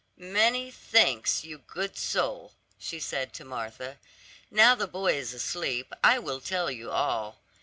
"Many thanks, you good soul," she said to Martha. "Now the boy is asleep, I will tell you all.